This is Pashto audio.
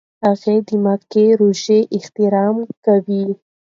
هغې د میکا روژې احترام کوي.